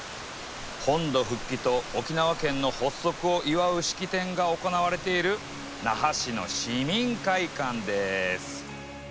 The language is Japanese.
本土復帰と沖縄県の発足を祝う式典が行われている那覇市の市民会館です。